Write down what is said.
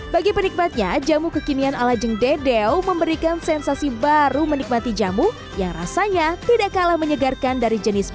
bagi penikmatnya jamu kekinian ala jengdedeo memberikan sensasi baru menikmati jamu yang rasanya tidak kalah menyegarkan dari jenis